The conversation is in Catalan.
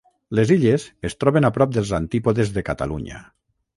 Les illes es troben a prop dels antípodes de Catalunya.